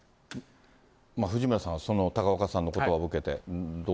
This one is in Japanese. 藤村さんは、高岡さんのことばを受けて、どう？